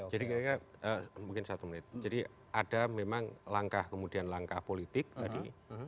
jadi mungkin satu menit jadi ada memang langkah kemudian langkah politik tadi